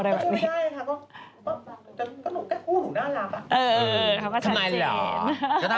เพราะมิตยานเขาเป็นแบบพูดจัด